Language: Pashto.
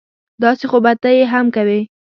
داسې خو به ته یې هم کوې